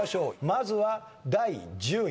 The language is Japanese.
まずは第１０位。